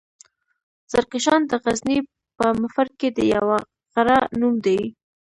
زرکشان دغزني پهمفر کې د يوۀ غرۀ نوم دی.